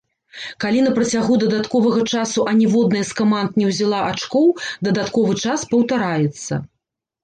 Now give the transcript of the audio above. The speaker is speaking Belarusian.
Калі на працягу дадатковага часу аніводная з каманд не ўзяла ачкоў, дадатковы час паўтараецца.